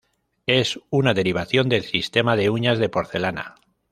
Es una derivación del sistema de uñas de porcelana.